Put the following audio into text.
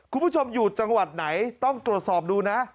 คุณผู้ชมอยู่จังหวัดไหนต้องตรวจสอบดูนะ